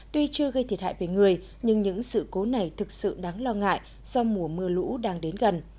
tuy chưa gây thiệt hại về người nhưng những sự cố này thực sự đáng lo ngại do mùa mưa lũ đang đến gần